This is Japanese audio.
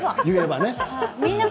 言えばね。